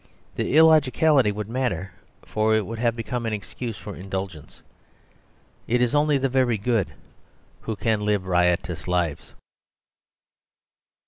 The illogicality would matter, for it would have become an excuse for indulgence. It is only the very good who can live riotous lives.